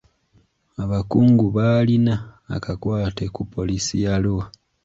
Abakungu baalina akakwate ku poliisi ya Arua.